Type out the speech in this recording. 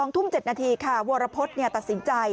๒ทุ่ม๗นาทีค่ะวรพฤษตัดสินใจ